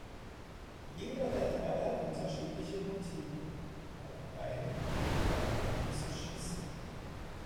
Jeder der drei hat unterschiedliche Motive, auf einen der anderen zu schießen.